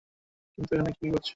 কিন্তু, এখানে কি করছো?